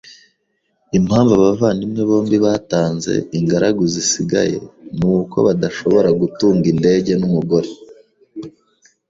Impamvu abavandimwe bombi batanze ingaragu zisigaye nuko badashobora gutunga indege numugore.